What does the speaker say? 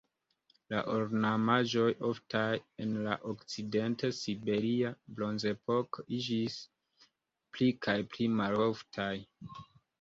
La ornamaĵoj oftaj en la Okcident-Siberia Bronzepoko iĝis pli kaj pli maloftaj.